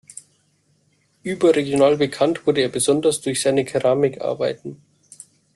Überregional bekannt wurde er besonders durch seine Keramikarbeiten.